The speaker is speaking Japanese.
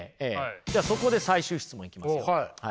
じゃあそこで最終質問いきますよはい。